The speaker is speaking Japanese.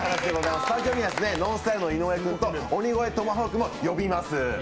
スタジオにはＮＯＮＳＴＹＬＥの井上君と鬼越トマホークも呼びます。